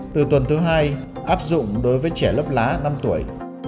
từ tuần thứ hai áp dụng đối với trẻ lớp lá năm tuổi